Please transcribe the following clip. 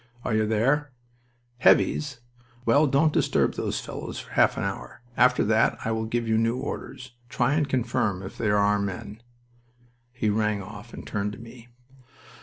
"Are you there, 'Heavies'?... Well, don't disturb those fellows for half an hour. After that I will give you new orders. Try and confirm if they are our men." He rang off and turned to me.